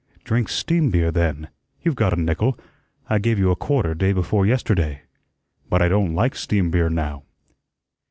"Drink STEAM beer, then. You've got a nickel. I gave you a quarter day before yesterday." "But I don't like steam beer now."